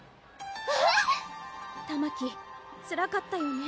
えぇ⁉たまきつらかったよね